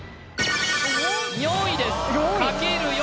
４位です×